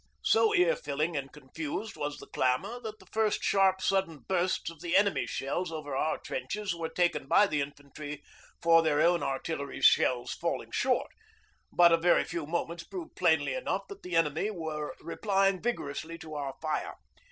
So ear filling and confused was the clamour that the first sharp, sudden bursts of the enemy shells over our trenches were taken by the infantry for their own artillery's shells falling short; but a very few moments proved plainly enough that the enemy were replying vigorously to our fire.